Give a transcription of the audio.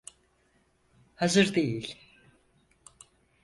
Hazır değil.